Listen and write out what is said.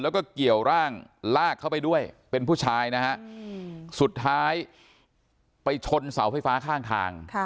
แล้วก็เกี่ยวร่างลากเข้าไปด้วยเป็นผู้ชายนะฮะสุดท้ายไปชนเสาไฟฟ้าข้างทาง